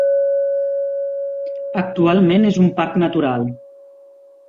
Actualment és un parc natural.